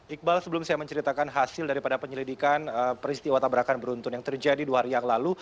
iqbal sebelum saya menceritakan hasil daripada penyelidikan peristiwa tabrakan beruntun yang terjadi dua hari yang lalu